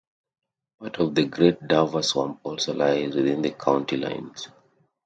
Part of the Great Dover Swamp also lies within the county lines.